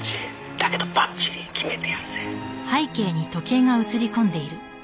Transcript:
「だけどばっちり決めてやるぜ」